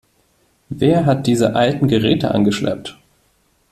Wer hat diese alten Geräte angeschleppt?